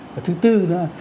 và thứ tư nữa